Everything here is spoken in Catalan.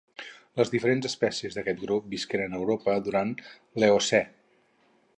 Les diferents espècies d'aquest grup visqueren a Europa durant l'Eocè.